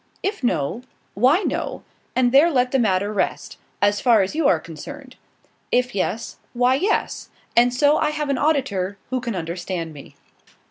If no why no, and there let the matter rest, as far as you are concerned; if yes, why yes, and so I have an auditor who can understand me.